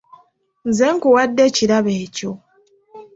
Nze nkuwadde ekirabo ekyo.